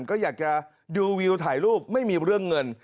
ก็อยากจะดูวิวถ่ายรูปไม่มีเรื่องเงิน